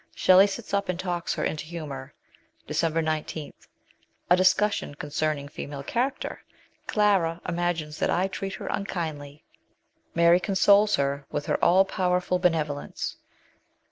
Shelley sits up and talks her into humour." Dec. 19. A discussion concerning female character. Clara imagines that I treat her unkindly. Mary consoles her with her all powerful benevolence.